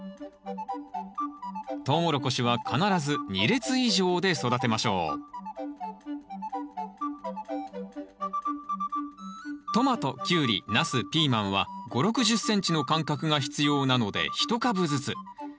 トウモロコシは必ず２列以上で育てましょうトマトキュウリナスピーマンは５０６０ｃｍの間隔が必要なので１株ずつ。